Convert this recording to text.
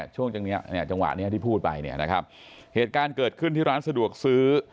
ช่วงจังหวะนี้ที่พูดไปนะครับเหตุการณ์เกิดขึ้นที่ร้านสะดวกซื้อ